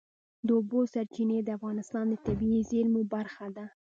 د اوبو سرچینې د افغانستان د طبیعي زیرمو برخه ده.